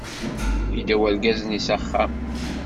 Idda urgaz-nni s axxam.